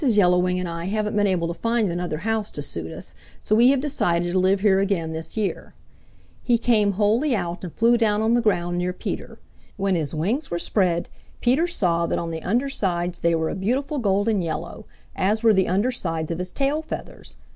Yellow Wing and I haven't been able to find another house to suit us, so we have decided to live here again this year." He came wholly out and flew down on the ground near Peter. When his wings were spread, Peter saw that on the under sides they were a beautiful golden yellow, as were the under sides of his tail feathers.